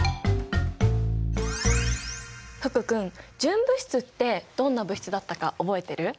福君純物質ってどんな物質だったか覚えてる？